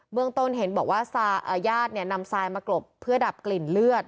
เมืองต้นเห็นบอกว่าญาตินำทรายมากรบเพื่อดับกลิ่นเลือด